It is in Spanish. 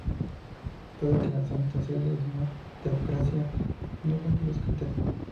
Dado que la Santa Sede es una teocracia no cumple los criterios.